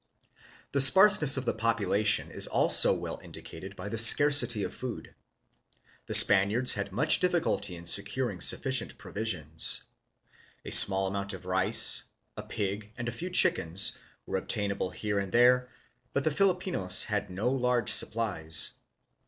The sparseness of population is also well indicated by the great scarcity of food. The Spaniards had much difficulty in securing sufficient provisions. A small amount of rice, a pig and a few chickens, were obtainable here and there, but the Filipinos had no large supplies.